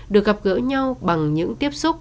được gặp gỡ nhau bằng những tiếp xúc